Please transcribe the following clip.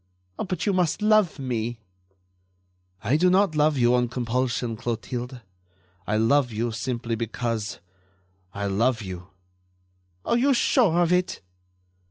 But you must love me!" "I do not love you on compulsion, Clotilde. I love you simply because ... I love you." "Are you sure of it?"